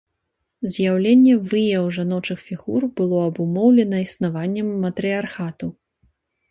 З'яўленне выяў жаночых фігур было абумоўлена існаваннем матрыярхату.